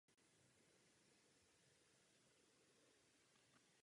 Teorie je v tomto případě značně obsáhlá.